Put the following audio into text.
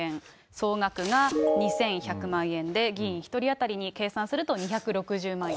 総額が２１００万円で、議員１人当たりに計算すると、２６０万円。